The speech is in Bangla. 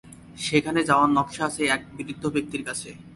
সেখানে যাওয়ার নকশা আছে এক বৃদ্ধ ব্যক্তির কাছে।